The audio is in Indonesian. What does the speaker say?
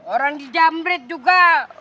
orang di jambret juga